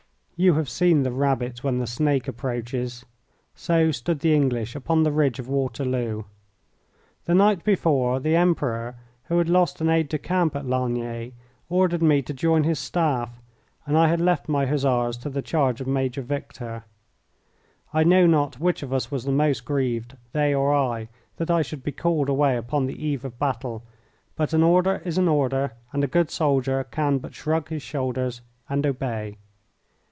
You have seen the rabbit when the snake approaches. So stood the English upon the ridge of Waterloo. The night before, the Emperor, who had lost an aide de camp at Ligny, ordered me to join his staff, and I had left my Hussars to the charge of Major Victor. I know not which of us was the most grieved, they or I, that I should be called away upon the eve of battle, but an order is an order, and a good soldier can but shrug his shoulders and obey.